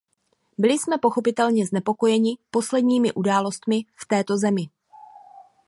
Byli jsme pochopitelně znepokojeni posledními událostmi v této zemi.